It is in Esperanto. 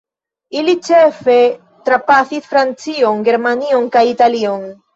Ili ĉefe trapasis Francion, Germanion kaj Italion.